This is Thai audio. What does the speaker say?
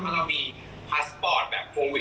ถ้าเรามีพาสปอร์ตแบบโควิด